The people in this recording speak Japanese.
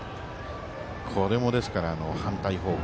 これも反対方向